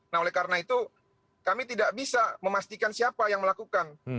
nah oleh karena itu kami tidak bisa memastikan siapa yang berada di dalam perjalanan